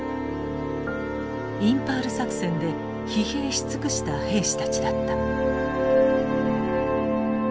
インパール作戦で疲弊し尽くした兵士たちだった。